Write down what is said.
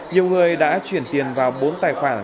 nhiều người đã chuyển tiền vào bốn tài khoản